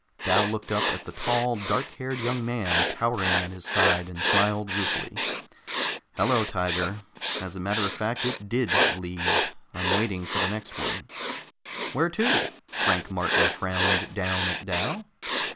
Dal looked up at the tall, dark haired young man, towering at his side, and smiled ruefully. "Hello, Tiger! As a matter of fact, it did leave. I'm waiting for the next one." "Where to?" Frank Martin frowned down at Dal.